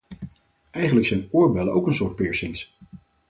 Eigenlijk zijn oorbellen ook een soort piercings.